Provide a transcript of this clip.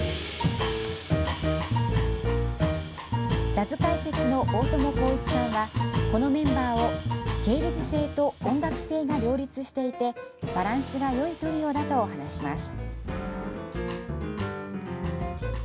ジャズ解説の大伴公一さんはこのメンバーを芸術性と音楽性が両立していてバランスがよいトリオだと話します。